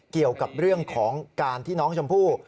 เกี่ยวกับเรื่องของการที่น้องชมพู่